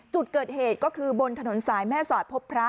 จุดเกิดเหตุก็คือบนถนนสายแม่สอดพบพระ